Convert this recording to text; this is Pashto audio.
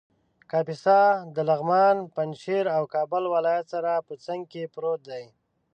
کاپیسا د لغمان ، پنجشېر او کابل ولایت سره په څنګ کې پروت دی